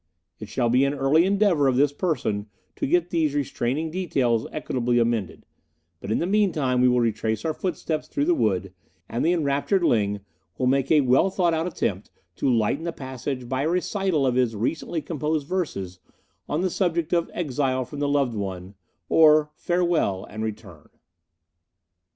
It shall be an early endeavour of this person to get these restraining details equitably amended; but in the meantime we will retrace our footsteps through the wood, and the enraptured Ling will make a well thought out attempt to lighten the passage by a recital of his recently composed verses on the subject of 'Exile from the Loved One; or, Farewell and Return.